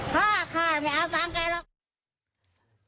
ค่ะค่ะไม่เอาตามใกล้หรอก